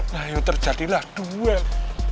nah yuk terjadilah duel